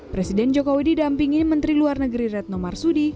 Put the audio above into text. presiden joko widodo didampingi menteri luar negeri retno marsudi